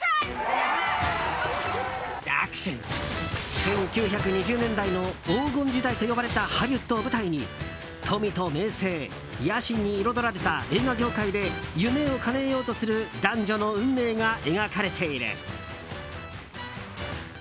１９２０年代の黄金時代と呼ばれたハリウッドを舞台に富と名声、野心に彩られた映画業界で夢をかなえようとする男女の運命が描かれている。